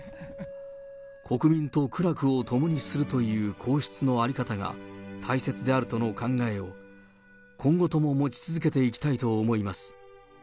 国民と苦楽を共にするという皇室の在り方が大切であるとの考えを、今後とも持ち続けていきたいと思います。